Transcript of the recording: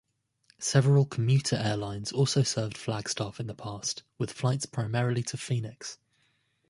Several commuter airlines also served Flagstaff in the past with flights primarily to Phoenix.